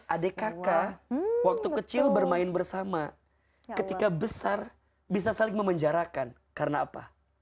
adik kakak waktu kecil bermain bersama ketika besar bisa saling memenjarakan karena apa